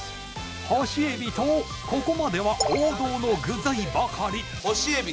干しエビとここまでは王道の具材ばかり干しエビ！